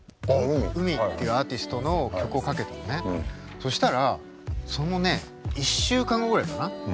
そしたらそのね１週間後ぐらいかな。